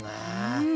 うん！